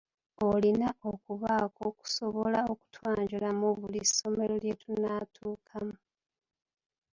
Olina okubaako kusobola okutwanjula mu buli ssomero lye tunaatuukamu.